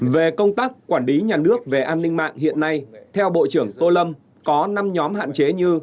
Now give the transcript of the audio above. về công tác quản lý nhà nước về an ninh mạng hiện nay theo bộ trưởng tô lâm có năm nhóm hạn chế như